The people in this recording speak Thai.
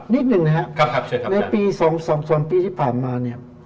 นิดหนึ่งนะครับในปี๒๓ปีที่ผ่านมาเนี่ย